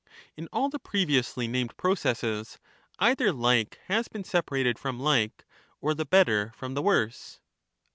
In all the previously naraed processes either like has Stranger, been Separated from like or the better from the worse.